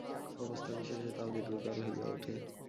অবস্থা বিশেষে তাও দীর্ঘকাল হইয়া উঠে।